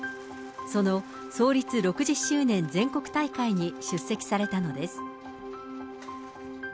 その創立６０周年全国大会に出席されたのです。